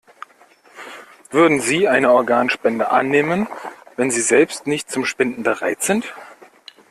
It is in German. Würden Sie eine Organspende annehmen, wenn Sie selbst nicht zum Spenden bereit sind?